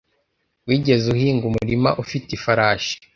Wigeze uhinga umurima ufite ifarashi?